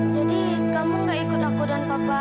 jadi kamu gak ikut aku dan papa